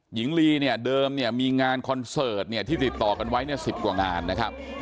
หญิงลีเนี่ยเดิมมีงานคอนเสิร์ตที่ติดต่อกันไว้๑๐กว่างานนะครับ